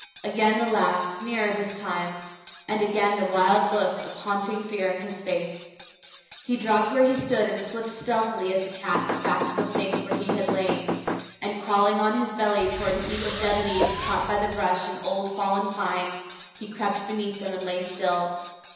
Again the laugh, nearer this time, and again the wild look of haunting fear in his face. He dropped where he stood and slipped stealthily as a cat back to the place where he had lain, and crawling on his belly toward a heap of dead leaves caught by the brush of an old fallen pine, he crept beneath them and lay still.